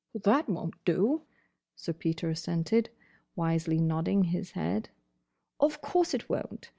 "That won't do," Sir Peter assented, wisely nodding his head. "Of course it won't.